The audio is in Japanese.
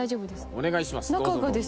お願いします。